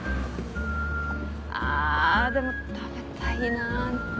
あでも食べたいな肉。